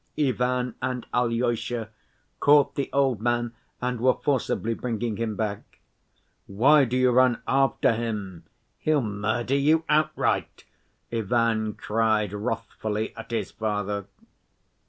Ivan and Alyosha caught the old man and were forcibly bringing him back. "Why do you run after him? He'll murder you outright," Ivan cried wrathfully at his father.